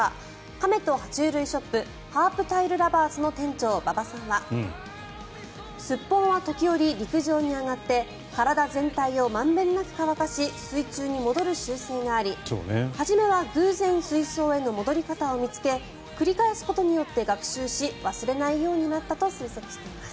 カメと爬虫類ショップハープタイルラバーズの店長馬場さんはスッポンは時折、陸上に上がって体全体を満遍なく乾かし水中に戻る習性があり初めは偶然水槽への戻り方を見つけ繰り返すことによって学習し忘れないようになったと推測しています。